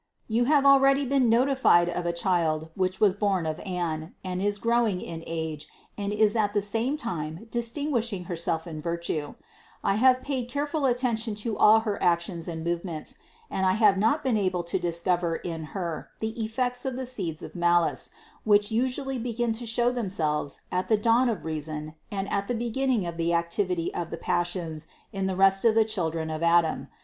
You have already 531 532 CITY OF GOD been notified of a Child, which was born of Anne, and is growing in age and is at the same time distinguishing Herself in virtue : I have paid careful attention to all her actions and movements, and I have not been able to discover in Her the effects of the seeds of malice, which usually begin to show themselves at the dawn of reason and at the beginning of the activity of the passions in the rest of the children of Adam.